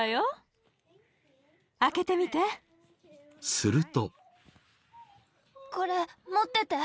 ［すると］